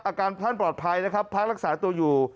อาการท่านปลอดภัยนะครับพระรักษาตัวอยู่